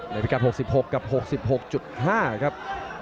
เลยไปกับ๖๖กับ๖๖๕ครับ